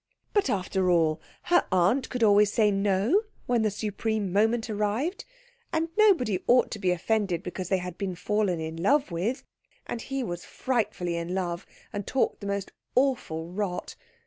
But, after all, her aunt could always say No when the supreme moment arrived, and nobody ought to be offended because they had been fallen in love with, and he was frightfully in love, and talked the most awful rot.